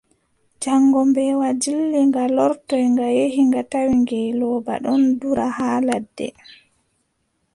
Jaŋngo mbeewa dilli, nga lortoy, nga yehi nga tawi ngeelooba ɗon dura haa ladde.